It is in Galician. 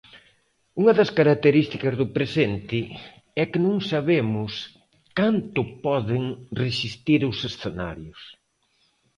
Unha das características do presente é que non sabemos canto poden resistir os escenarios.